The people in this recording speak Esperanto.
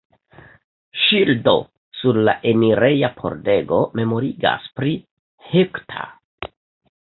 Ŝildo sur la enireja pordego memorigas pri Hector.